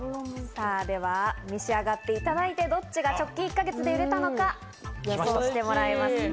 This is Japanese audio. さぁでは、召し上がっていただいて、どっちが直近１か月で売れたのか予想してもらいます。